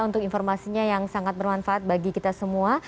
untuk informasinya yang sangat bermanfaat bagi kita semua